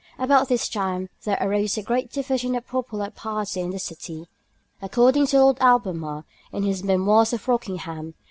About this time there arose a great division in the popular party in the City. According to Lord Albemarle, in his Memoirs of Rockingham, ii.